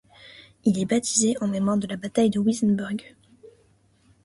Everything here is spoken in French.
Il est baptisé en mémoire de la bataille de Wissembourg.